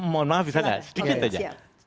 mohon maaf bisa gak sedikit aja